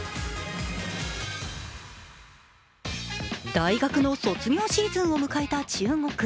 大学の卒業シーズンを迎えた中国。